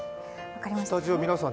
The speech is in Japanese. スタジオの皆さん